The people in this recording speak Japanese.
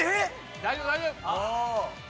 大丈夫大丈夫。